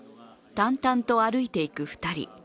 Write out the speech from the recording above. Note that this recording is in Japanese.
淡々と歩いていく２人。